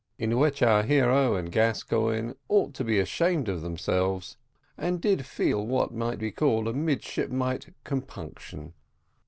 IN WHICH OUR HERO AND GASCOIGNE OUGHT TO BE ASHAMED OF THEMSELVES, AND DID FEEL WHAT MIGHT BE CALLED MIDSHIPMITE COMPUNCTION.